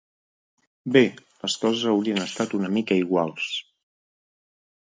Bé, les coses haurien estat una mica iguals.